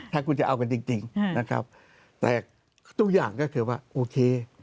ถ้าคุณจะเอากันจริงนะครับแต่ทุกอย่างก็คือว่าโอเค